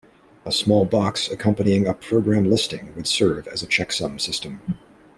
A small box accompanying a program listing would serve as a checksum system.